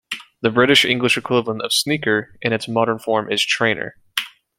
The British English equivalent of "sneaker" in its modern form is "trainer".